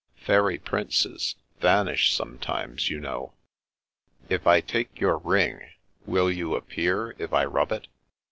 " Fairy Princes vanish sometimes, you know." " If I take your ring, will you appear if I rub it